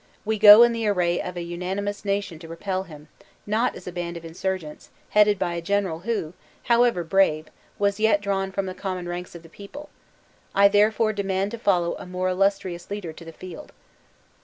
We go in the array of an unanimous nation to repel him; not as a band of insurgents, headed by a general who, however brave, was yet drawn from the common ranks of the people. I therefore demand to follow a more illustrious leader to the field."